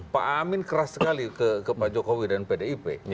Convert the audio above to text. pak amin keras sekali ke pak jokowi dan pdip